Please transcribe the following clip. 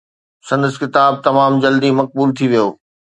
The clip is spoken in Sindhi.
سندس ڪتاب تمام جلدي مقبول ٿي ويو.